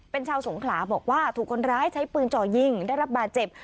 เป็นชาวสงขลาบอกว่าถูกคนร้ายใช้ปืนจ่อยิงได้รับบาดเจ็บ